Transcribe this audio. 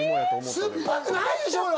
酸っぱくないでしょうよ